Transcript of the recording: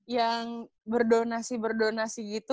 yang berdonasi berdonasi gitu